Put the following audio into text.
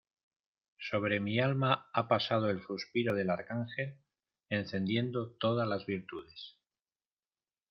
sobre mi alma ha pasado el suspiro del Arcángel encendiendo todas las virtudes.